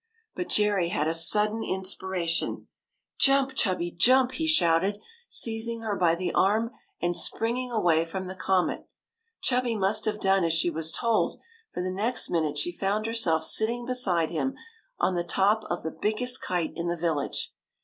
But Jerry had a sudden inspiration. '' Jump, Chubby, jump !'* he shouted, seizing her by the arm and springing away from the comet. Chubby must have done as she was told, for the next minute she found herself sit ting beside him, on the top of the biggest kite in the village.